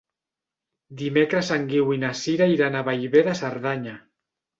Dimecres en Guiu i na Sira iran a Bellver de Cerdanya.